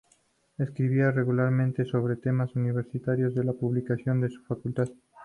Escribía regularmente sobre temas universitarios en publicaciones de su Facultad.